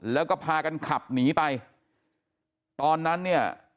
แล้วก็พากันขับหนีไปตอนนั้นเนี่ย